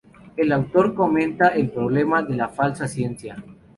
El autor comenta el problema de la falsa ciencia.